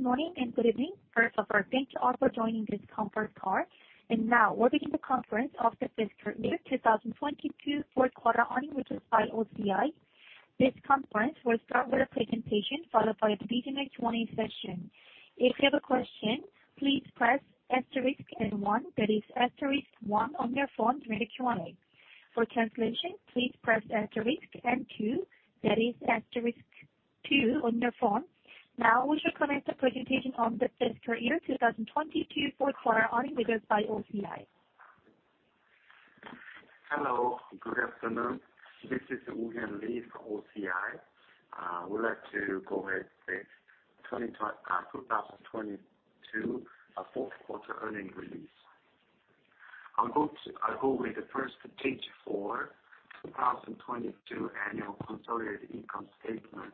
Good morning and good evening. First of all, thank you all for joining this conference call. Now we'll begin the conference of the Fiscal Year 2022 Fourth Quarter Earnings With OCI. This conference will start with a presentation followed by a Q&A session. If you have a question, please press asterisk and one, that is asterisk one on your phone to make a Q&A. For translation, please press asterisk and two, that is asterisk two on your phone. Now we should connect the presentation of the fiscal year 2022 fourth quarter earnings with OCI. Hello, good afternoon. This is Woohyun Lee for OCI. would like to go ahead with 2022 fourth quarter earnings release. I'll go with the first page for 2022 annual consolidated income statement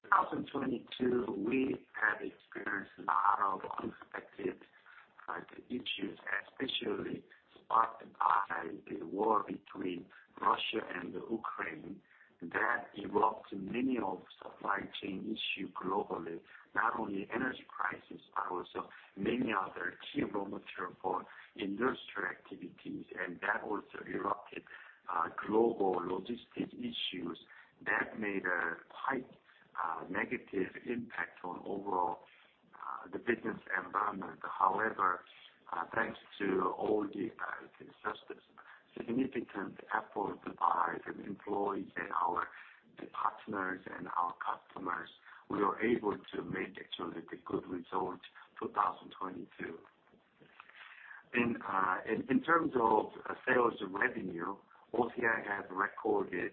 slide. 2022, we have experienced a lot of unexpected issues, especially sparked by the war between Russia and Ukraine that erupts many of supply chain issue globally, not only energy prices but also many other key raw material for industrial activities and that also erupted global logistics issues that made a quite negative impact on overall the business environment. However, thanks to all the significant effort by the employees and our partners and our customers, we were able to make actually the good results 2022. In terms of sales revenue, OCI has recorded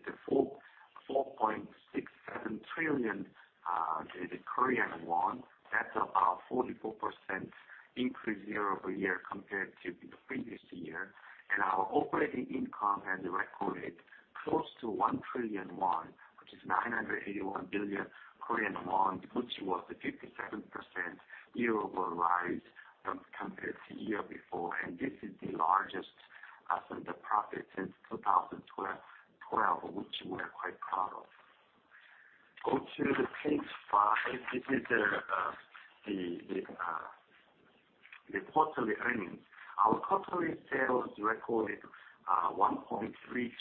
4.67 trillion Korean won. That's about 44% increase year-over-year compared to the previous year. Our operating income has recorded close to 1 trillion won, which is 981 billion Korean won, which was a 57% year-over rise from compared to year before. This is the largest profit since 2012, which we are quite proud of. Go to the page five. This is the quarterly earnings. Our quarterly sales recorded 1.3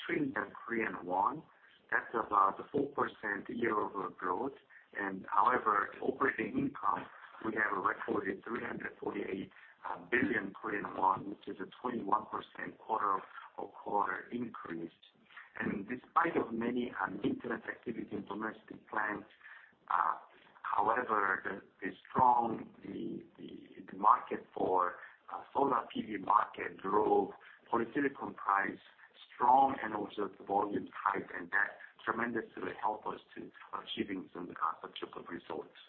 trillion Korean won. That's about 4% year-over-year growth. However, operating income, we have recorded 348 billion Korean won, which is a 21% quarter-over-quarter increase. Despite of many maintenance activity in domestic plants, however, the strong market for solar PV market drove polysilicon price strong and also the volume high, and that tremendously help us to achieving some of the results.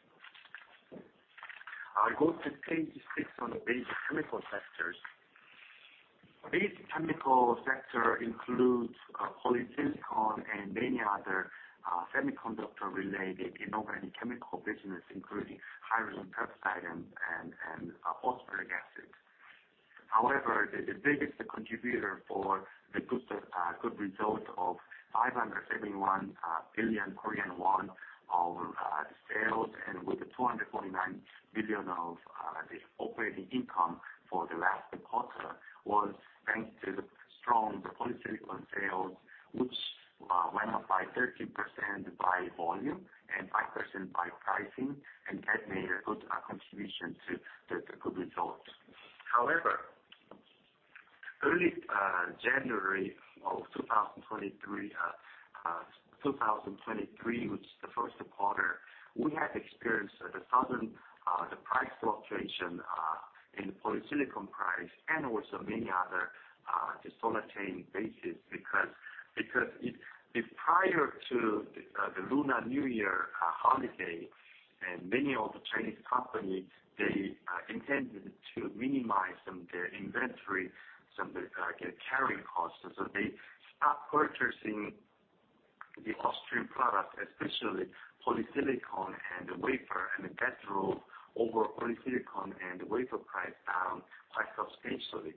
I go to page six on the Basic Chemical sectors. Basic Chemical sector includes polysilicon and many other semiconductor related inorganic chemical business, including hydrogen peroxide and phosphoric acid. The biggest contributor for the good result of 571 billion Korean won of sales and with the 249 billion of the operating income for the last quarter was thanks to the strong polysilicon sales, which went up by 13% by volume and 5% by pricing, and that made a good contribution to the good results. However, early January of 2023, which is the first quarter, we have experienced the sudden the price fluctuation in the polysilicon price and also many other solar chain basis because prior to the Lunar New Year holiday and many of the Chinese companies, they intended to minimize some of their inventory, some of the carrying costs, and so they stopped purchasing the upstream products, especially polysilicon and wafer, and that drove over polysilicon and wafer price down quite substantially.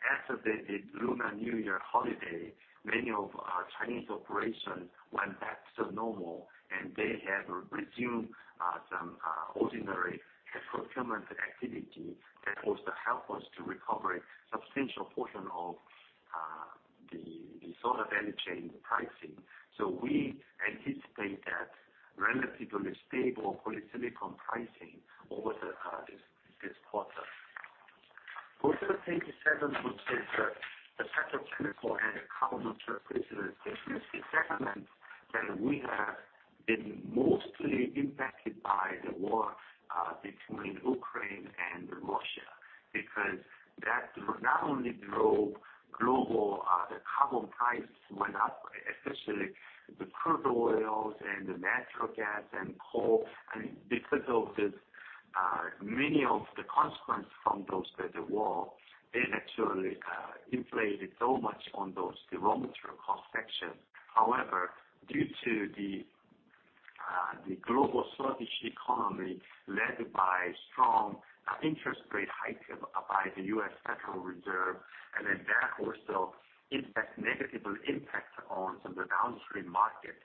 However, after the Lunar New Year holiday, many of our Chinese operations went back to normal, and they have resumed some ordinary procurement activity that also help us to recover a substantial portion of the solar value chain pricing. We anticipate that relatively stable polysilicon pricing over this quarter. Go to page seven, which is the Petro Chemicals & the Carbon Materials business. This segment that we have been mostly impacted by the war between Ukraine and Russia, because that not only drove global the carbon price went up, especially the crude oils and the natural gas and coal. Because of this, many of the consequence from those the war, it actually inflated so much on those raw material cost section. However, due to the global sluggish economy led by strong interest rate hike by the U.S. Federal Reserve, that also negative impact on some of the downstream market.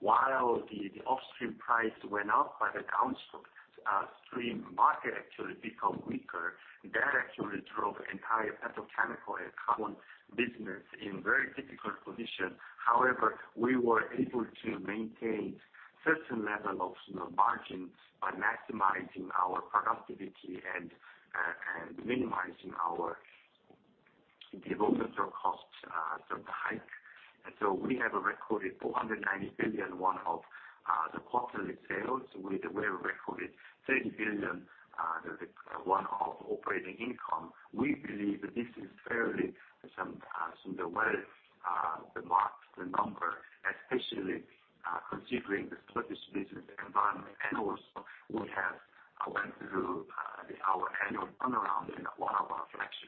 While the upstream price went up, but the downstream stream market actually become weaker, that actually drove the entire Petro Chemicals & Carbon business in very difficult position. However, we were able to maintain certain level of, you know, margins by maximizing our productivity and minimizing our development or costs. We have recorded 490 billion of the quarterly sales where we recorded 30 billion of operating income. We believe that this is fairly some the way, the number, especially considering the sluggish business environment. Also we have went through our annual turnaround in one of our factory,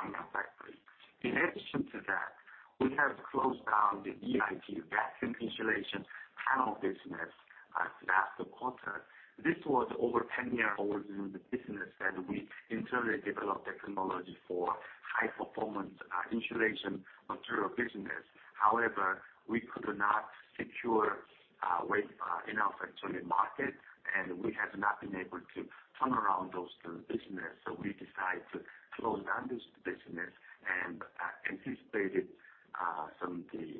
Gwangyang factory. In addition to that, we have closed down the VIP Vacuum Insulation Panel business last quarter. This was over 10 years old in the business that we internally developed the technology for high-performance insulation material business. We could not secure a way in our factory market, and we have not been able to turn around those business. We decide to close down this business and anticipated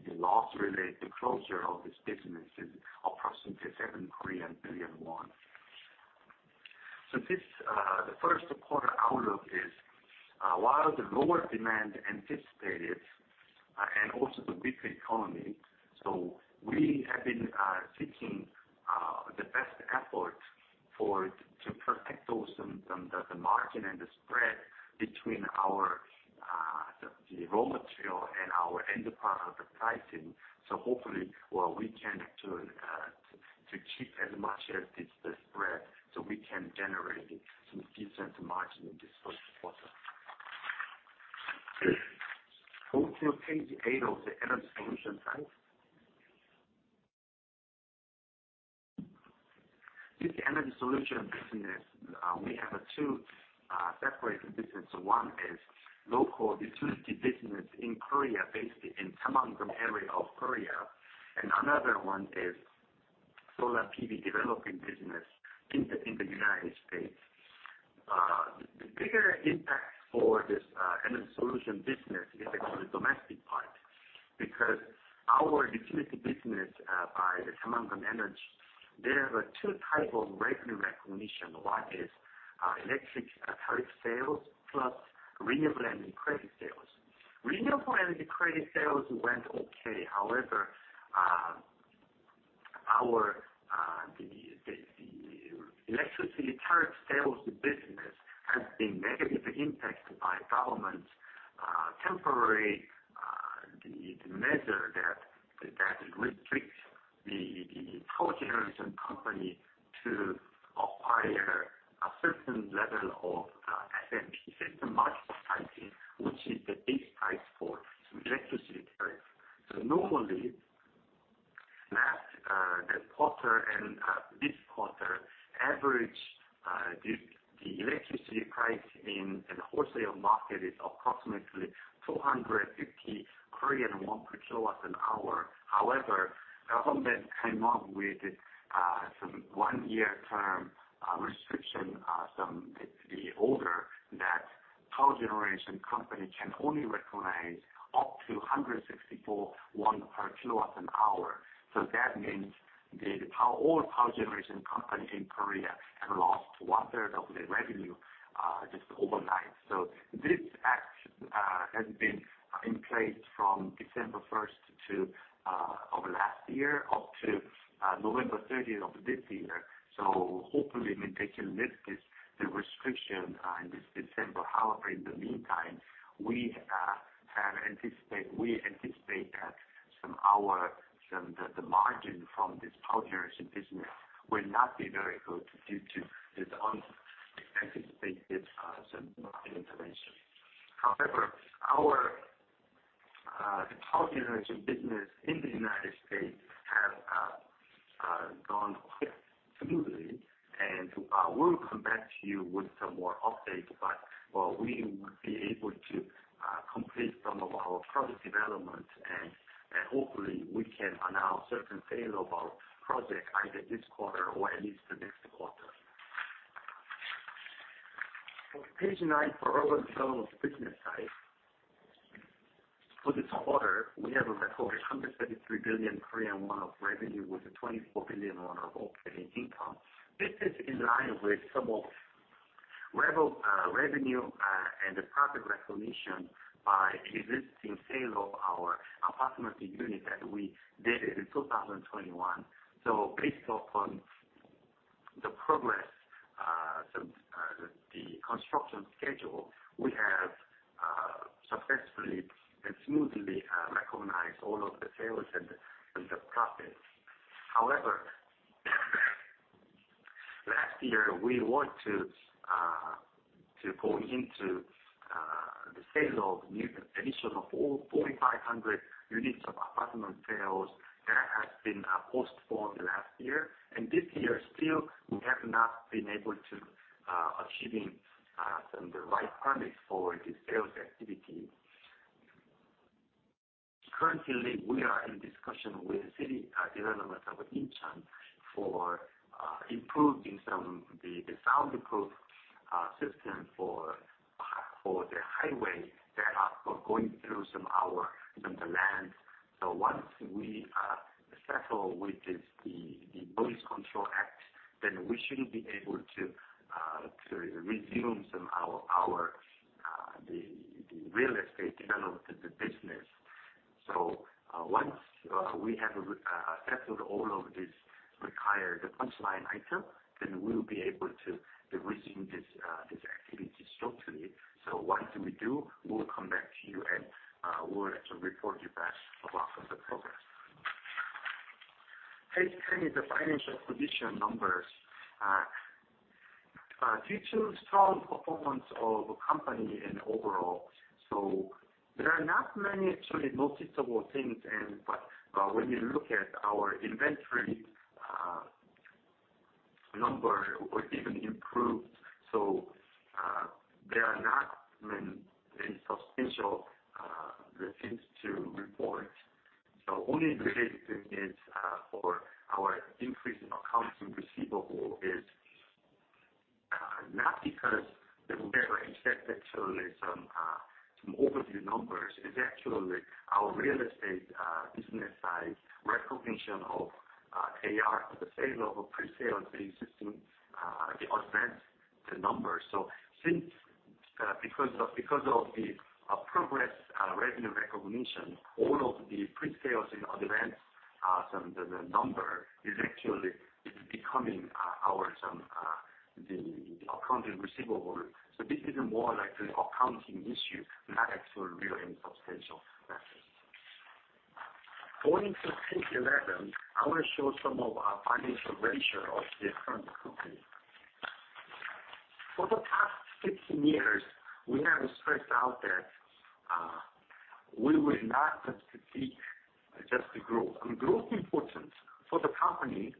the loss related to closure of this business is approximately 7 billion won. This the first quarter outlook is while the lower demand anticipated and also the weak economy, we have been seeking the best effort for it to protect those from the margin and the spread between our the raw material and our end product pricing. Hopefully, well, we can actually to keep as much as this, the spread so we can generate some decent margin in this first quarter. Go to page eight of the energy solution side. With the energy solution business, we have two separate business. One is local utility business in Korea, based in Samyang area of Korea, and another one is solar PV developing business in the United States. The bigger impact for this energy solution business is actually domestic part, because our utility business by the Samyang Energy, there were two type of revenue recognition. One is electric tariff sales plus renewable energy credit sales. Renewable energy credit sales went okay. Our Electricity Tariff Sales business has been negatively impacted by government temporary measure that restricts the power generation company to acquire a certain level of SMP System Margin Pricing, which is the base price for electricity tariffs. Normally, last quarter and this quarter average, the electricity price in the wholesale market is approximately 250 Korean won per K-W-H. Government came up with some one-year term restriction, some the order that power generation company can only recognize up to 164 won per K-W-H. That means the power, all power generation company in Korea have lost 1/3 of their revenue just overnight. This act has been in place from December 1st of last year, up to November 30th of this year. Hopefully, we take a lift the restriction in this December. However, in the meantime, we anticipate that some our, some the margin from this power generation business will not be very good due to this unexpected market intervention. However, our the power generation business in the U.S. have gone quite smoothly, and we'll come back to you with some more updates, but, well, we would be able to complete some of our project development and hopefully we can announce certain sale of our project either this quarter or at least the next quarter. Page nine for urban development business side. For this quarter, we have recorded 133 billion Korean won of revenue with 24 billion won of operating income. This is in line with some of revenue and the profit recognition by existing sale of our apartment unit that we did in 2021. Based upon the progress, some the construction schedule, we have successfully and smoothly recognized all of the sales and the profits. However, last year, we want to go into the sale of new addition of 4,500 units of apartment sales that has been postponed last year. This year still we have not been able to achieving some the right permits for the sales activity. Currently, we are in discussion with city development of Incheon for improving some of the soundproof system for the highway that are going through some our, the land. Once we settle with this, the noise control act, then we should be able to resume some our real estate development business. Once we have settled all of these required punch line item, then we will be able to resume this activity shortly. Once we do, we'll come back to you and we'll actually report you back about the progress. Page 10 is the financial position numbers. Due to strong performance of the company in overall, there are not many actually noticeable things, but when you look at our inventory number or even improved. There are not many substantial things to report. Only related is for our increase in accounts and receivable. It's not because they were expected to list some overview numbers, it's actually our real estate business side recognition of AR for the sale of a presale existing, the advance the numbers. Since because of the progress revenue recognition, all of the presales in advance, the number is actually becoming our accounting receivable. This is more like an accounting issue, not actual real and substantial matters. Going to page 11, I wanna show some of our financial ratio of the current company. For the past 16 years, we have stressed out that we will not seek just the growth. Growth important for the company.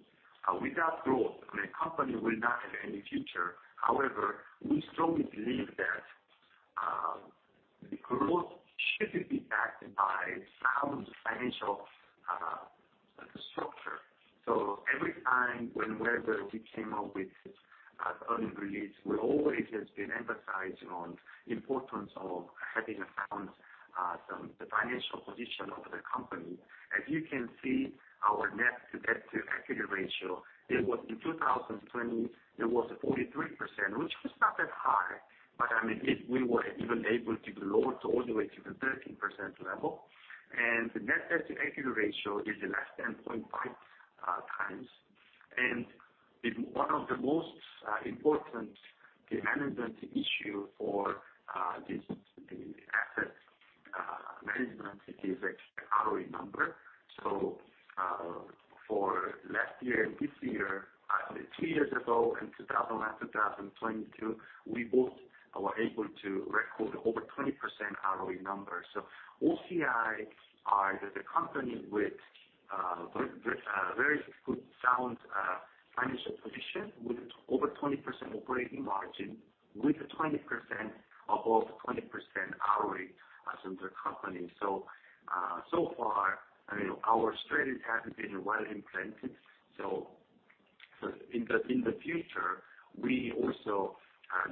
Without growth, I mean, company will not have any future. We strongly believe that the growth should be backed by sound financial structure. Every time when whether we came up with earning release, we always has been emphasizing on importance of having a sound financial position of the company. As you can see, our net debt to equity ratio, it was in 2020, it was 43%, which was not that high, but I mean, we were even able to lower it all the way to the 13% level. The net debt to equity ratio is less than 0.5 times. In one of the most important management issue for the assets management is actually ROE number. For last year and this year, two years ago in 2002, 2022, we both were able to record over 20% ROE numbers. OCI are the company with very, very good sound financial position with over 20% operating margin, with above 20% ROE as under company. So far, I mean, our strategy has been well implemented. In the, in the future, we also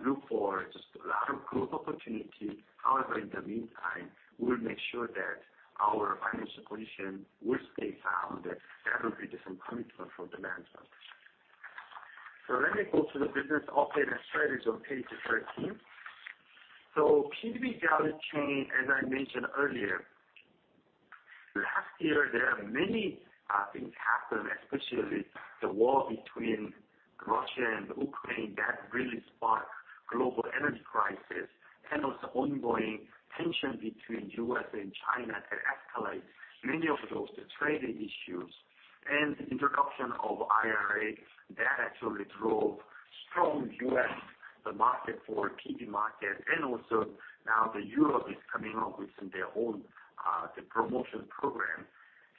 look for just a lot of growth opportunity. However, in the meantime, we'll make sure that our financial position will stay sound. That will be some commitment for the management. Let me go to the business update and strategy on page 13. PV value chain, as I mentioned earlier, last year, there are many things happen, especially the war between Russia and Ukraine that really sparked global energy crisis and also ongoing tension between U.S. and China that escalate many of those trading issues and the introduction of IRA that actually drove strong U.S., the market for PV market, and also now the Europe is coming up with some their own promotion program.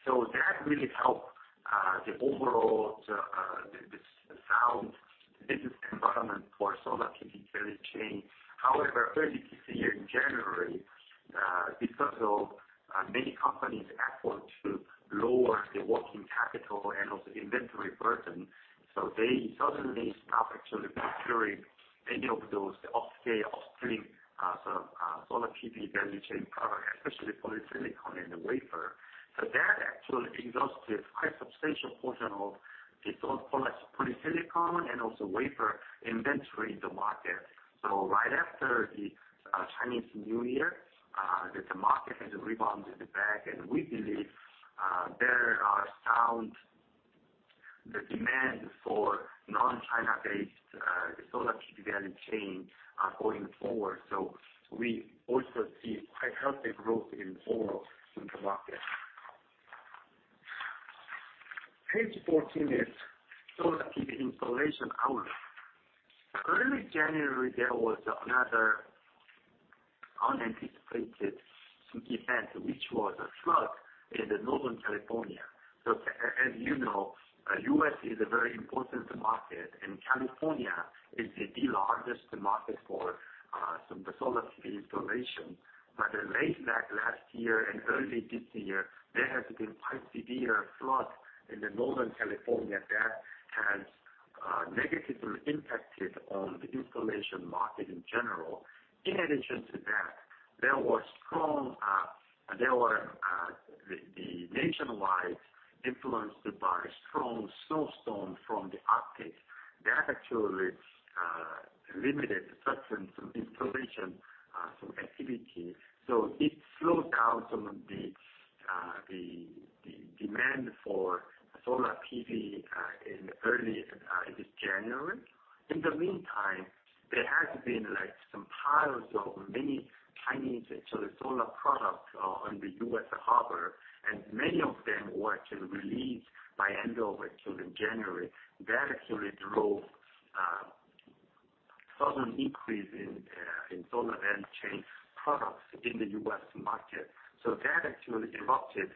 That really helped the overall sound business environment for solar PV value chain. Early this year in January, because of many companies' effort to lower their working capital and also inventory burden, so they suddenly stop actually procuring any of those upscale upstream, sort of, solar PV value chain product, especially polysilicon and the wafer. That actually exhausted quite substantial portion of the solar polysilicon and also wafer inventory in the market. Right after the Chinese New Year, the market has rebounded back, and we believe there are sound the demand for non-China based, solar PV value chain, going forward. We also see quite healthy growth in overall in the market. Page 14 is solar PV installation outlook. Early January, there was another unanticipated event, which was a flood in Northern California. As you know, U.S. is a very important market, and California is the largest market for some solar PV installation. In late that last year and early this year, there has been quite severe flood in the Northern California that has negatively impacted on the installation market in general. In addition to that, there were nationwide influenced by strong snow storm from the Arctic. That actually limited certain some installation activity. It slowed down some of the demand for solar PV in early this January. In the meantime, there has been, like, some piles of many Chinese solar products on the U.S. harbor, and many of them were actually released by end of actually January. That actually drove sudden increase in solar energy products in the U.S. market. That actually impacted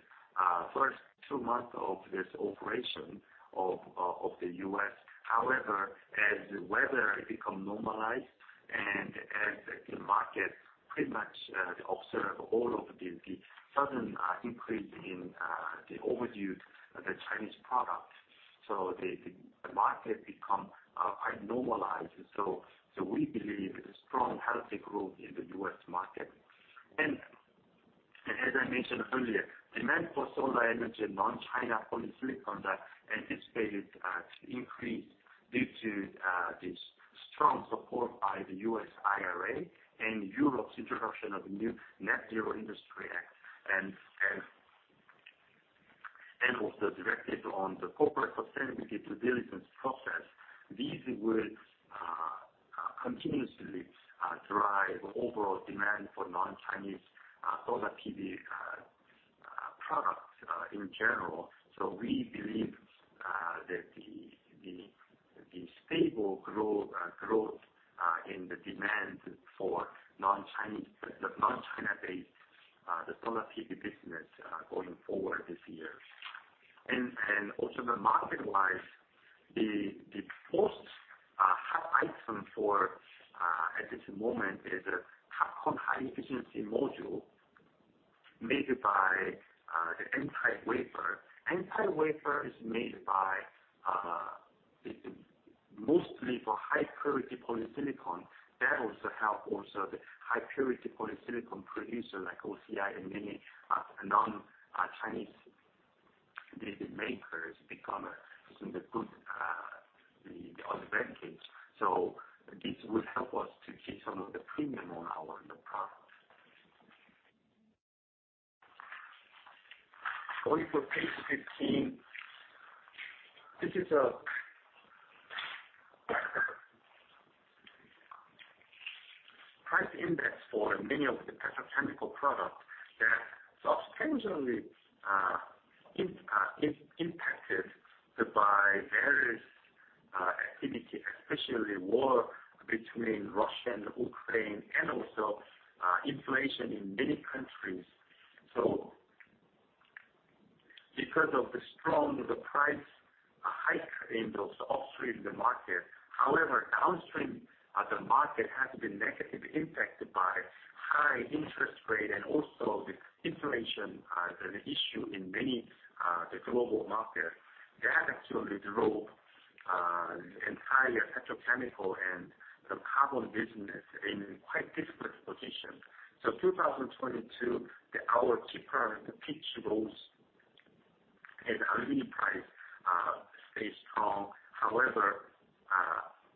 first two months of this operation of the U.S. However, as the weather become normalized and as the market pretty much observe all of the sudden increase in the overdue Chinese product, the market become quite normalized. We believe strong, healthy growth in the U.S. market. As I mentioned earlier, demand for solar energy in non-China polysilicon that anticipated to increase due to this strong support by the U.S. IRA and Europe's introduction of the new Net-Zero Industry Act and also directed on the corporate sustainability due diligence process. These will continuously drive overall demand for non-Chinese solar PV products in general. We believe that the stable growth in the demand for non-Chinese, the non-China based, the solar PV business, going forward this year. Also the market-wise, the first hot item for at this moment is a high-efficiency module made by the N-type wafer. N-type wafer is made by, it's mostly for high-purity polysilicon. That also help also the high-purity polysilicon producer like OCI and many non-Chinese, the makers become in the good advantage. This will help us to keep some of the premium on our new product. Going for page 15. This is a price index for many of the Petro Chemical products that substantially impacted by various activity, especially war between Russia and Ukraine and also inflation in many countries. Because of the strong, the price hike in those upstream the market, however, downstream, the market has been negatively impacted by high interest rate and also the inflation, the issue in many, the global market. That actually drove the entire Petro Chemicals & the Carbon business in quite difficult position. 2022, the hour cheaper, the pitch rose and aluminum price stayed strong. However,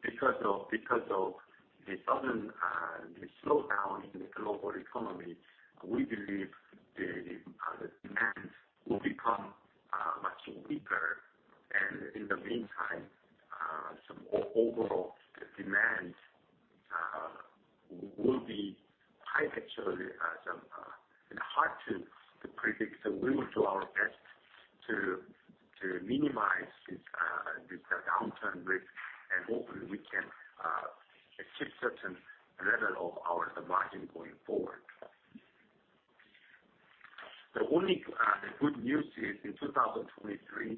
because of the sudden slowdown in the global economy, we believe the demand will become much weaker. In the meantime, some overall demand will be high actually, some, and hard to predict. We will do our best to minimize this downturn risk, and hopefully we can keep certain level of our margin going forward. The only good news is in 2023,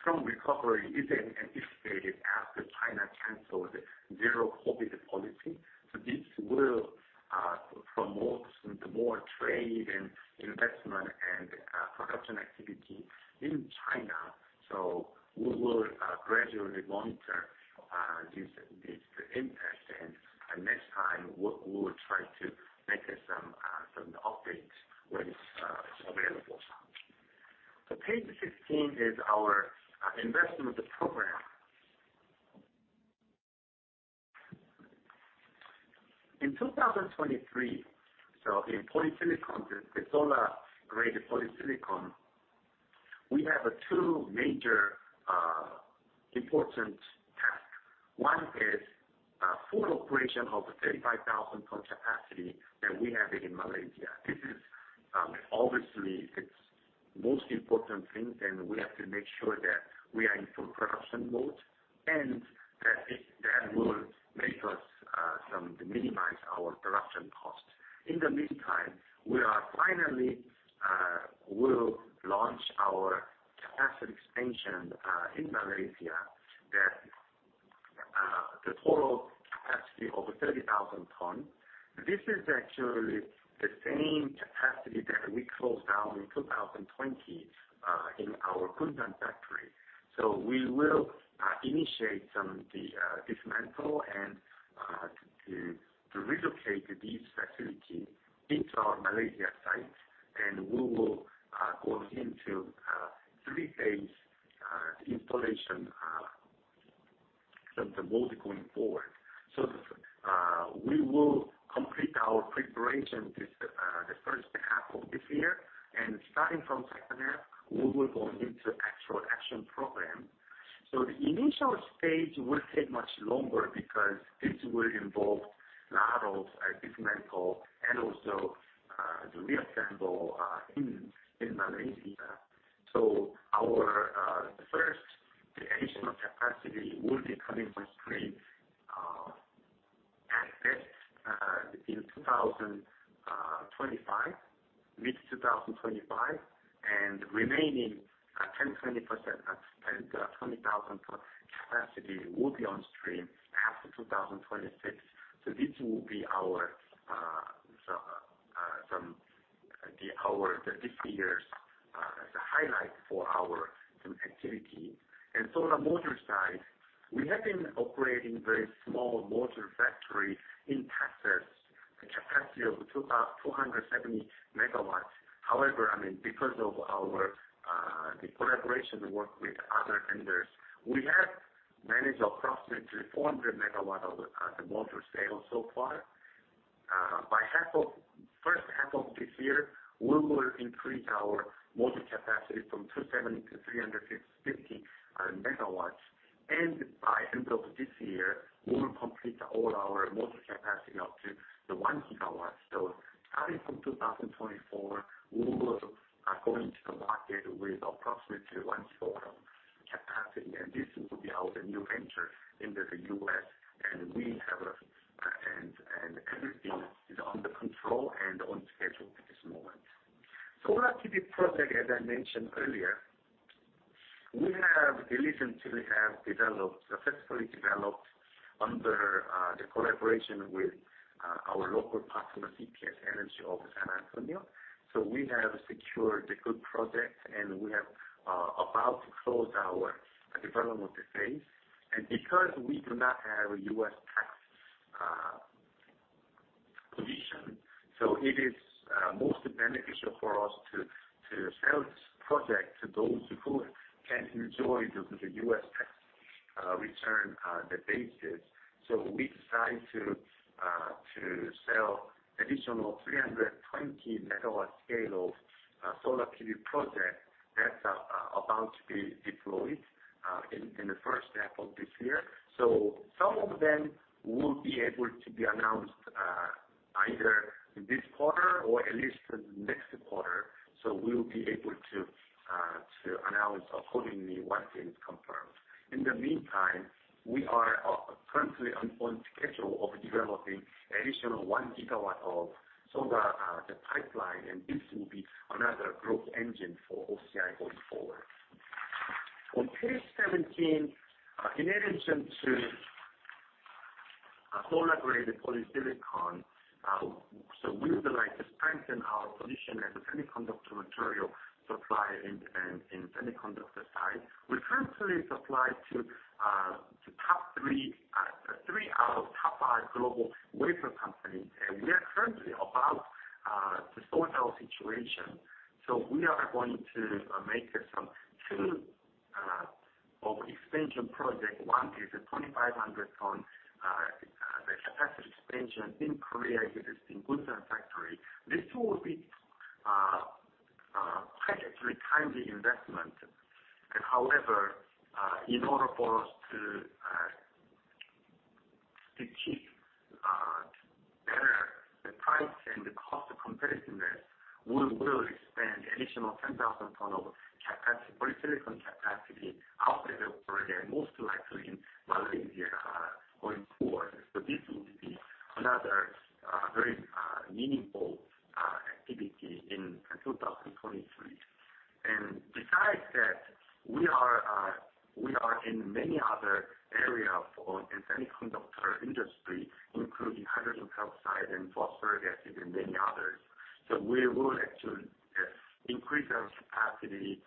strong recovery is anticipated after China canceled zero COVID policy. This will promote some more trade and investment and production activity in China. We will gradually monitor this impact, and next time we will try to make some updates when it's available. Page 15 is our investment program. In 2023, so in polysilicon, the solar-grade polysilicon, we have a two major important task. Operation of the 35,000 ton capacity that we have in Malaysia. This is obviously it's most important thing, and we have to make sure that we are in full production mode, and that will make us to minimize our production costs. In the meantime, we are finally will launch our capacity expansion in Malaysia that the total capacity of 30,000 tons. This is actually the same capacity that we closed down in 2020 in our Gunsan factory. We will initiate some of the dismantle and to relocate these facilities into our Malaysia site, and we will go into three-phase installation some of the work going forward. We will complete our preparation this the first half of this year, and starting from second half, we will go into actual action program. The initial stage will take much longer because this will involve lot of dismantle and also the reassemble in Malaysia. Our, the first additional capacity will be coming from stream, at best, in 2025, mid-2025, and remaining 20%, 20,000 ton capacity will be on stream after 2026. This will be our some, our, this year's the highlight for our some activity. Solar module side, we have been operating very small module factory in Texas, the capacity of 270 MW. I mean, because of our the collaboration work with other vendors, we have managed approximately 400 MW of the module sale so far. By first half of this year, we will increase our module capacity from 270-350 MW. By end of this year, we will complete all our module capacity up to 1 GW. Starting from 2024, we will go into the market with approximately 1 GW of capacity, and this will be our new venture into the U.S., and everything is under control and on schedule at this moment. Solar PV project, as I mentioned earlier, we have in addition to have developed, successfully developed under the collaboration with our local partner, CPS Energy of San Antonio. We have secured a good project, and we have about to close our development phase. Because we do not have a U.S. tax position, it is most beneficial for us to sell this project to those who can enjoy the U.S. tax return basis. We decide to sell additional 320 MW scale of solar PV project that are about to be deployed in the first half of this year. Some of them will be able to be announced either this quarter or at least next quarter. We'll be able to announce accordingly once it is confirmed. In the meantime, we are currently on schedule of developing additional 1 GW of solar the pipeline, and this will be another growth engine for OCI going forward. On page 17, in addition to our solar-grade polysilicon, we would like to strengthen our position as a semiconductor material supplier in semiconductor side. We currently supply to top three out of top five global wafer companies, and we are currently about to sort our situation. We are going to make some two of expansion project. One is a 2,500 ton capacity expansion in Korea, existing Gunsan factory. This will be capitally timely investment. However, in order for us to keep better the price and the cost competitiveness, we will expand additional 10,000 ton of capacity, polysilicon capacity outside of Korea, most likely in Malaysia, going forward. This will be another very meaningful activity in 2023. Besides that, we are in many other area for, in semiconductor industry, including hydrofluoric acid and phosphoric acid and many others. We will actually, yes, increase our capacity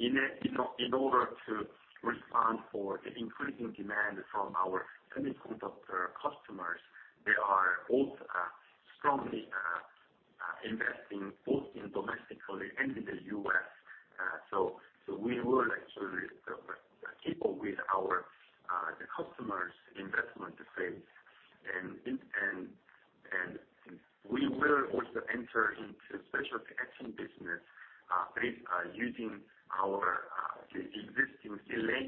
in order to respond for the increasing demand from our semiconductor customers. They are also strongly investing both in domestically and in the U.S., we will actually keep up with our the customers' investment phase. We will also enter into special etching business with using our the existing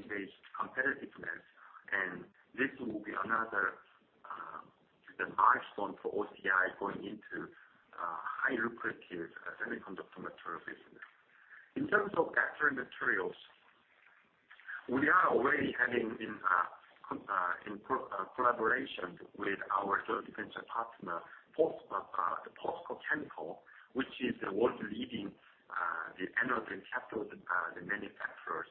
based competitiveness, and this will be another milestone for OCI going into high lucrative semiconductor material business. In terms of battery materials, we are already having in collaboration with our strategic partner, POSCO Chemical, which is the world-leading the anode and cathode manufacturers.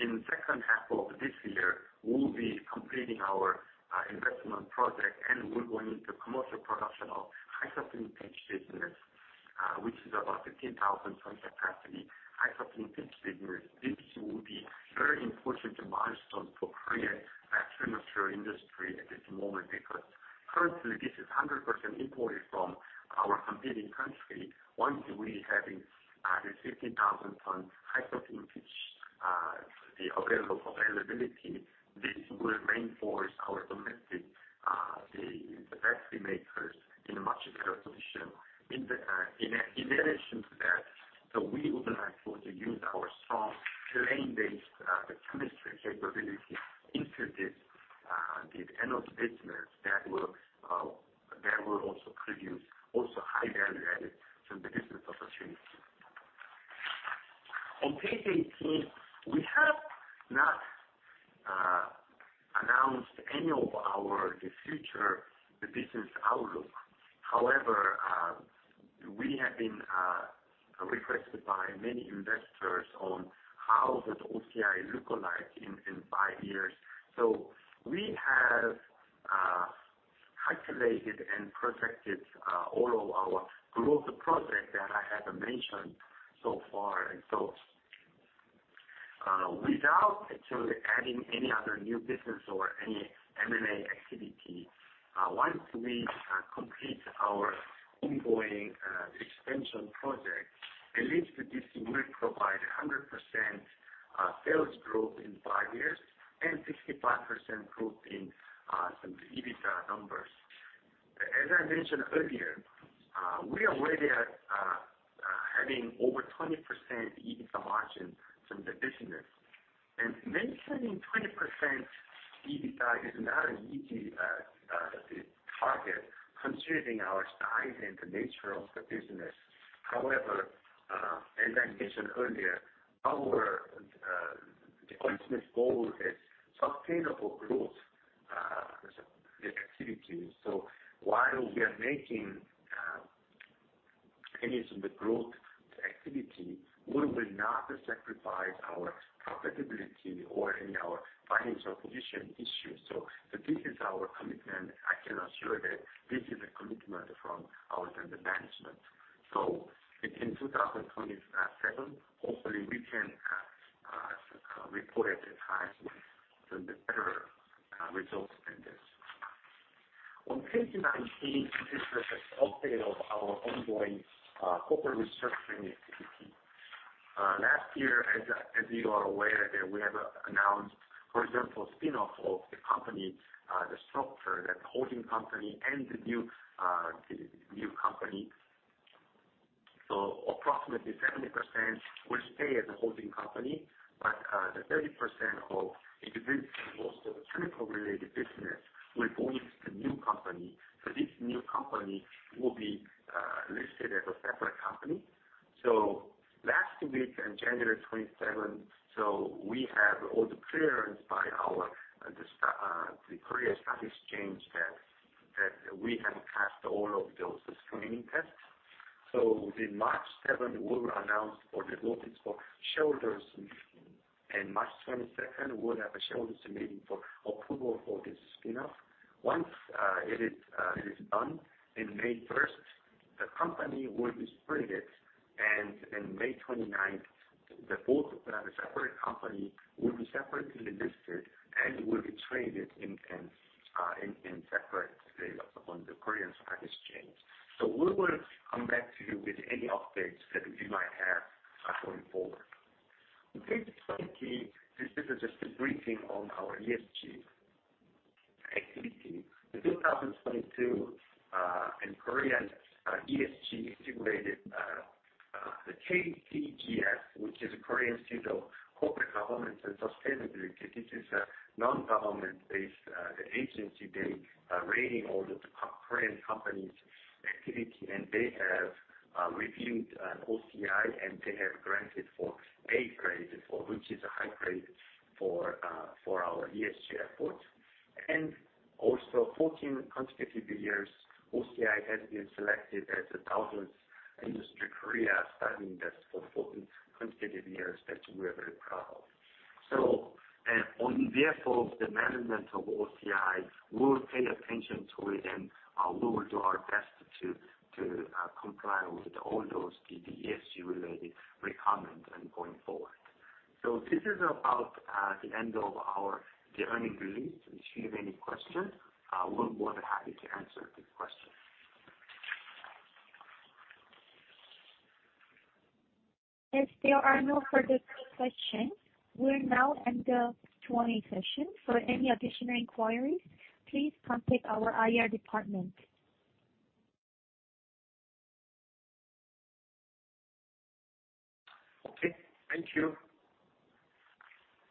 In second half of this year, we'll be completing our investment project, and we're going into ongoing expansion project, at least this will provide 100% sales growth in five years and 65% growth in some EBITDA numbers. As I mentioned earlier, we already are having over 20% EBITDA margin from the business. Maintaining 20% EBITDA is not an easy target considering our size and the nature of the business. However, as I mentioned earlier, our the company's goal is sustainable growth, the activity. While we are making any of the growth activity, we will not sacrifice our profitability or any our financial position issues. This is our commitment. I can assure that this is a commitment from our tender management. In 2027, hopefully we can report it as high with the better results than this. On page 19, this is just update of our ongoing corporate restructuring activity. Last year, as you are aware that we have announced, for example, spin-off of the company, the structure that holding company and the new company. Approximately 70% will stay as a holding company, but the 30% of the most of chemical related business will go into the new company. This new company will be listed as a separate company. Last week on January 27th, we have all the clearance by our, the Korea Stock Exchange that we have passed all of those screening tests. In March 7th, we'll announce or the notice for shareholders meeting. March 22nd, we'll have a shareholders meeting for approval for this spin-off. Once it is done, in May 1st, the company will be split it, and in May 29th, the both separate company will be separately listed and will be traded in separate on the Korea Stock Exchange. We will come back to you with any updates that we might have going forward. On page 20, this is just a briefing on our ESG activity. In 2022, in Korean, ESG integrated, the KCGS, which is a Korea Institute of Corporate Governance and Sustainability, this is a non-government based agency. They rating all the Korean companies activity, and they have reviewed OCI, and they have granted for A grade for which is a high grade for for our ESG effort. Also 14 consecutive years, OCI has been selected as a thousands industry Korea starting this for 14 consecutive years that we are very proud of. On behalf of the management of OCI, we'll pay attention to it and we will do our best to comply with all those ESG related requirement and going forward. This is about the end of our, the earning release. If you have any questions, we'll be more than happy to answer the questions. As there are no further questions, we'll now end the Q&A session. For any additional inquiries, please contact our IR department. Okay. Thank you.